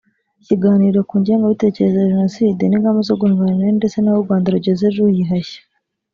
ikiganiro ku ngengabitekerezo ya Jenoside n’ingamba zo guhangana nayo ndetse n’aho u Rwanda rugeze ruyihashya